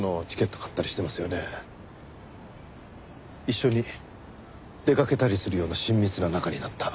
一緒に出かけたりするような親密な仲になった。